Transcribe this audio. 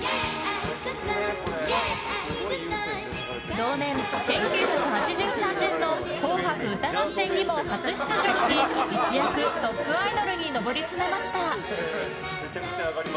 同年、１９８３年の「紅白歌合戦」にも初出場し一躍、トップアイドルに上り詰めました。